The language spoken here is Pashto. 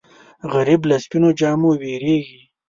غریب له سپینو جامو وېرېږي